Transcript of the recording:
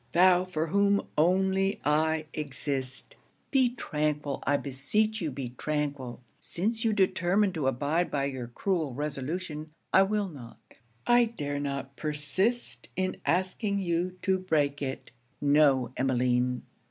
thou for whom only I exist! be tranquil I beseech you be tranquil! Since you determine to abide by your cruel resolution, I will not, I dare not persist in asking you to break it. No, Emmeline!